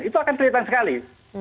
itu akan terlihat sekali